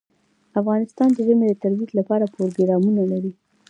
افغانستان د ژمی د ترویج لپاره پروګرامونه لري.